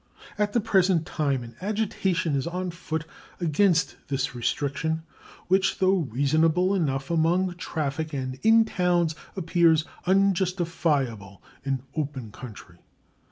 At the present time an agitation is on foot against this restriction, which, though reasonable enough among traffic and in towns, appears unjustifiable in open country.